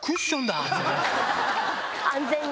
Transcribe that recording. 安全に。